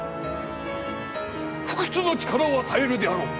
不屈の力を与えるであろう！